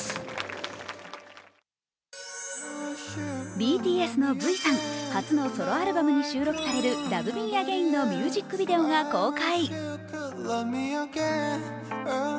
ＢＴＳのＶさん、初のソロアルバムに収録される「ＬｏｖｅＭｅＡｇａｉｎ」のミュージックビデオが公開。